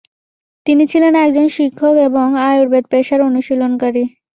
তিনি ছিলেন একজন শিক্ষক এবং আয়ুর্বেদ পেশার অনুশীলনকারী।